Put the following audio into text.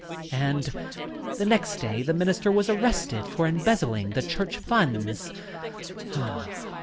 ... {PaiLse\ And the next day the minister was arrested for embezzling the church funds.